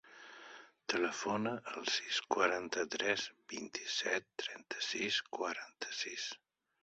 Telefona al sis, quaranta-tres, vint-i-set, trenta-sis, quaranta-sis.